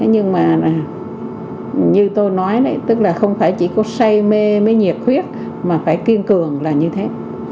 nhưng mà như tôi nói tức là không phải chỉ có say mê mới nhiệt huyết mà phải kiên cường là như thế